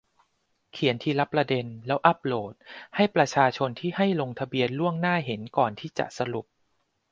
เขียนทีละประเด็น แล้วอัพโหลด ให้ประชาชนที่ให้ลงทะเบียนล่วงหน้า เห็นก่อนที่จะสรุป